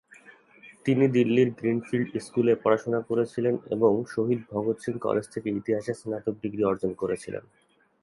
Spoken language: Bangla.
তিনি দিল্লির গ্রিন ফিল্ডস স্কুলে পড়াশোনা করেছিলেন এবং শহীদ ভগত সিং কলেজ থেকে ইতিহাসে স্নাতক ডিগ্রি অর্জন করেছিলেন।